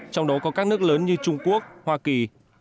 trong đó có các nước lớn như trung quốc hoa kỳ